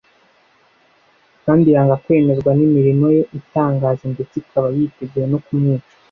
kandi yanga kwemezwa n'imirimo ye itangaza ndetse ikaba yiteguye no kumwica